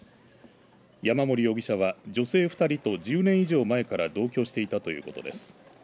山森容疑者は女性２人と１０年以上前から同居していたということです。